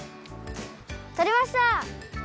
とれました！